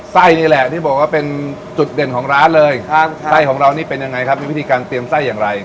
ไส้นี่แหละที่บอกว่าเป็นจุดเด่นของร้านเลยครับไส้ของเรานี่เป็นยังไงครับมีวิธีการเตรียมไส้อย่างไร